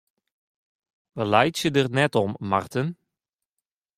Wy laitsje der net om, Marten.